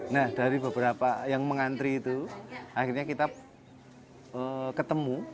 nah dari beberapa yang mengantri itu akhirnya kita ketemu